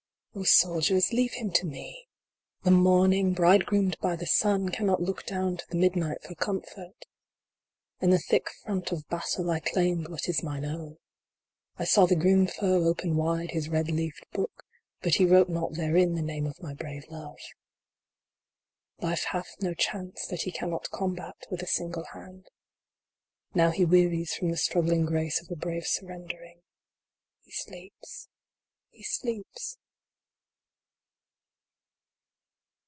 IV. soldiers, leave him to me ! The morning, bridegroomed by the sun, cannot look down to the midnight for comfort In the thick front of battle I claimed what is mine own. 1 saw the Grim Foe open wide his red leafed book, but he wrote not therein the name of my brave love. Life hath no chance that he cannot combat with a single hand. Now he wearies from the struggling grace of a brave surrendering. He sleeps, he sleeps.